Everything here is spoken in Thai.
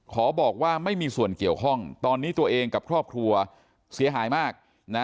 บอกว่าไม่มีส่วนเกี่ยวข้องตอนนี้ตัวเองกับครอบครัวเสียหายมากนะ